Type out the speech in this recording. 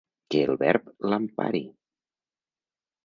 Que el Verb l'empari!